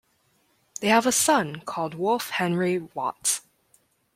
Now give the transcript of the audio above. They have a son called Wolfe Henry Watts.